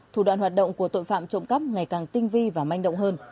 thủ đoạn hoạt động của tội phạm trộm cắp ngày càng tinh vi và manh động hơn